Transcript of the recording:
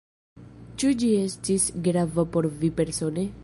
Ĉu ĝi estis grava por vi persone?